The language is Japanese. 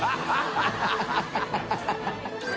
ハハハ